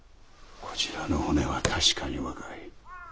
こちらの骨は確かに若い。